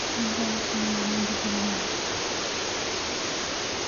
問題はその笑い所である